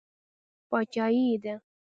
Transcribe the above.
باچایي یې ده.